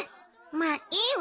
まあいいわ。